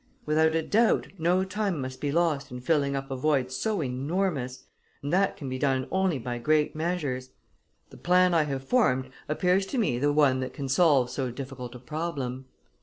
Without a doubt no time must be lost in filling up a void so enormous; and that can be done only by great measures. The plan I have formed appears to me the one that can solve so difficult a problem.